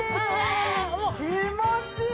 気持ちいい！